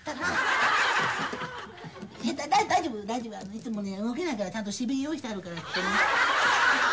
いつも動けないからちゃんとし瓶用意してあるから。